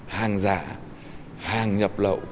hàng giả hàng nhập lậu